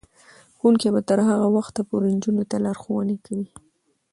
ښوونکې به تر هغه وخته پورې نجونو ته لارښوونې کوي.